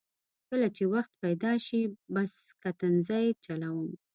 کله چې وخت پیدا شي بس کښتۍ چلوم.